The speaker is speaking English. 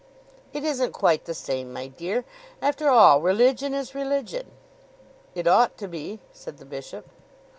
"It isn't quite the same, my dear. After all religion is religion." "It ought to be," said the bishop.